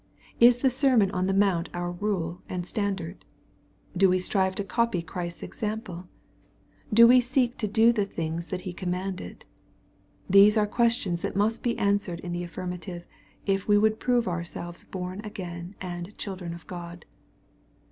Is the Sermon on the Mount our rule and standard ? Do we strive to copy Christ's example ? Do we seek to do the things that He commanded ?— These are questions that must be answered in the affirmative, if we would prove ourselves born again and children of God.